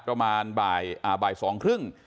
ประมาณบ่าย๒๓๐น